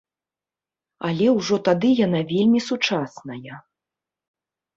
Але ўжо тады яна вельмі сучасная.